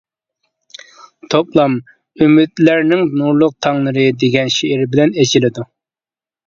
توپلام «ئۈمىدلەرنىڭ نۇرلۇق تاڭلىرى» دېگەن شېئىر بىلەن ئېچىلىدۇ.